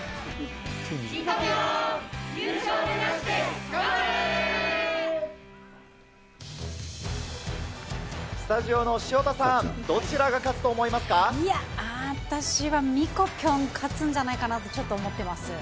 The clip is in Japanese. ミコぴょん、優勝目指して頑スタジオの潮田さん、どちらいや、私はミコぴょん勝つんじゃないかと、ちょっと思ってます。